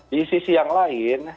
di sisi yang lain